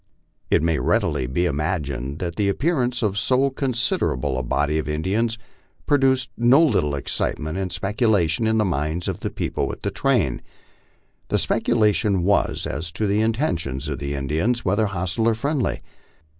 It may readily be imagined that the appearance of so considerable a body of Indians produced no little excitement and speculation in the minds of the peo ple with the train. The speculation was as to the intentions of the Indians, whether hostile or friendly.